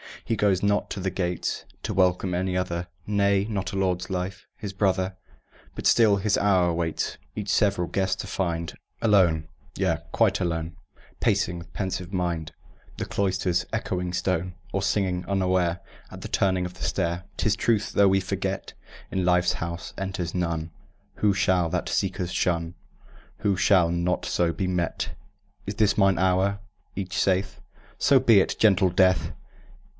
He goes not to the gates To welcome any other, Nay, not Lord Life, his brother; But still his hour awaits Each several guest to find Alone, yea, quite alone; Pacing with pensive mind The cloister's echoing stone, Or singing, unaware, At the turning of the stair Tis truth, though we forget, In Life's House enters none Who shall that seeker shun, Who shall not so be met. "Is this mine hour?" each saith. "So be it, gentle Death!"